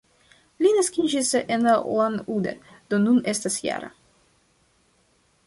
Li naskiĝis en Ulan-Ude, do nun estas -jara.